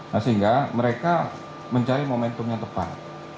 nah sehingga mereka mencari momentum yang tepat